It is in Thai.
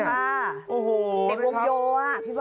เป็นวงโยอ๊ะพี่เบอร์ต